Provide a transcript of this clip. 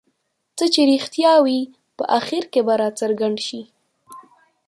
څه چې رښتیا وي په اخر کې به یې راڅرګند شي.